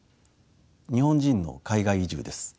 日本人の海外移住です。